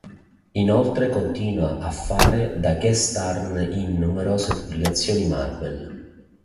Inoltre continua a fare da guest star in numerose pubblicazioni Marvel.